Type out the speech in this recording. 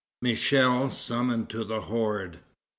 Michel Summoned to the Horde.